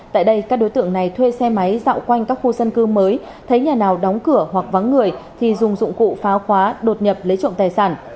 tại đây các đối tượng này thuê xe máy dạo quanh các khu dân cư mới thấy nhà nào đóng cửa hoặc vắng người thì dùng dụng cụ phá khóa đột nhập lấy trộm tài sản